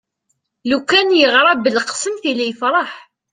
lukan yeɣra belqsem tili yefreḥ